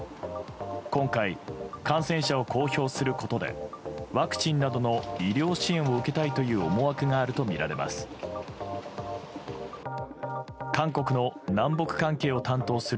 今回、感染者を公表することでワクチンなどの医療支援を受けたいという思惑があると思われます。